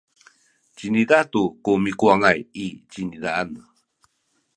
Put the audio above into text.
ciniza tu ku mikuwangay i cinizaan.